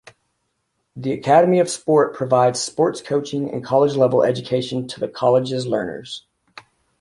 The Academy of Sport provides sports coaching and college-level education to the college's learners.